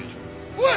おい！